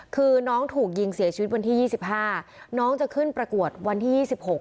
คือน้องถูกยิงเสียชีวิตวันที่ยี่สิบห้าน้องจะขึ้นประกวดวันที่๒๖